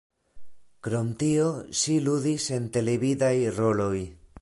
Krom tio ŝi ludis en televidaj roloj.